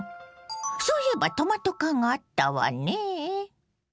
そういえばトマト缶があったわねぇ。